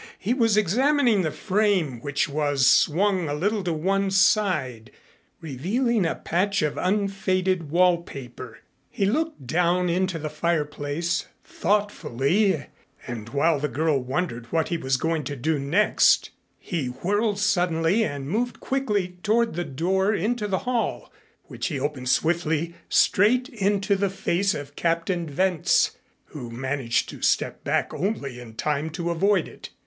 He was examining the frame, which was swung a little to one side, revealing a patch of unfaded wallpaper. He looked down into the fireplace thoughtfully and while the girl wondered what he was going to do next, he whirled suddenly and moved quickly toward the door into the hall, which he opened swiftly straight into the face of Captain Wentz, who managed to step back only in time to avoid it.